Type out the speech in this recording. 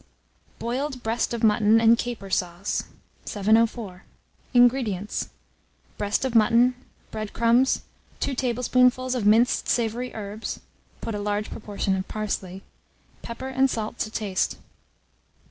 BOILED BREAST OF MUTTON AND CAPER SAUCE. 704. INGREDIENTS. Breast of mutton, bread crumbs, 2 tablespoonfuls of minced savoury herbs (put a large proportion of parsley), pepper and salt to taste.